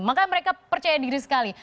makanya mereka percaya diri sekali